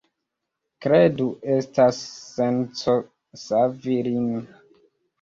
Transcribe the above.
Kredu, estas senco savi lin.